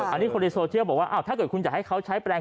อันนี้คนในโซเชียลบอกว่าถ้าเกิดคุณอยากให้เขาใช้แปลง